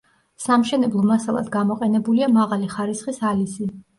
სამშენებლო მასალად გამოყენებულია მაღალი ხარისხის ალიზი.